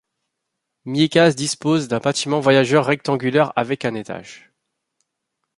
Miécaze dispose d'un bâtiment voyageurs rectangulaire avec un étage.